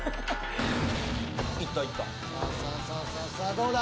どうだ？